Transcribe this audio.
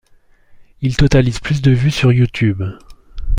Il totalise plus de vues sur YouTube.